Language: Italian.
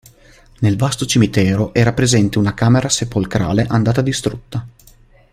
Nel vasto cimitero era presente una camera sepolcrale andata distrutta.